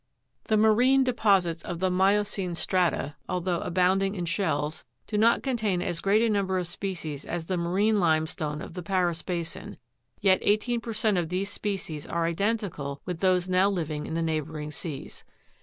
20. The marine deposits of the miocene strata, although abound ing in shells, do not contain as great a number of species as the marine limestone of the Paris basin; yet, eighteen per cent, of these species are identical with those now Jiving in the neighbour ing seas.